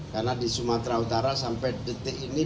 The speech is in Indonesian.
karena di sumatera utara sampai detik ini